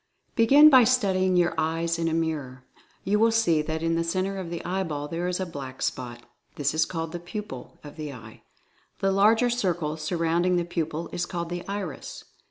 Begin by studying your eyes in a mirror. You will see that in the center of the eyeball there is a black spot ; this is called the "Pupil" of the eye. The larger circle surrounding the Pupil is called the "Iris."